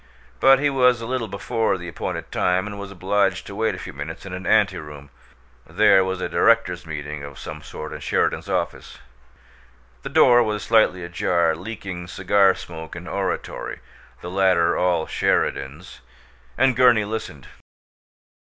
But he was a little before the appointed time and was obliged to wait a few minutes in an anteroom there was a directors' meeting of some sort in Sheridan's office. The door was slightly ajar, leaking cigar smoke and oratory, the latter all Sheridan's, and Gurney listened.